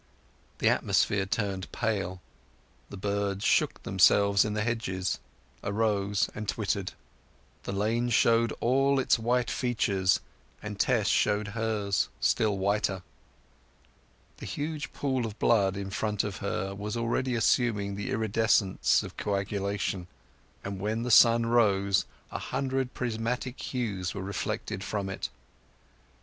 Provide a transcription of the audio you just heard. The atmosphere turned pale, the birds shook themselves in the hedges, arose, and twittered; the lane showed all its white features, and Tess showed hers, still whiter. The huge pool of blood in front of her was already assuming the iridescence of coagulation; and when the sun rose a hundred prismatic hues were reflected from it.